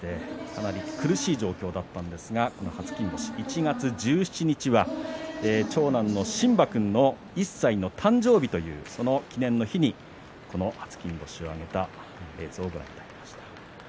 かなり苦しい状況だったんですが初金星でした、１月１７日は長男の心絆君の１歳の誕生日というその記念の日に初金星を挙げた映像をご覧いただきました。